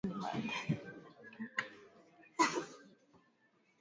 hatujui maanake ni mambo mengi ambayo yanayotokea